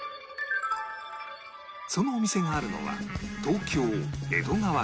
そのお店があるのは東京江戸川区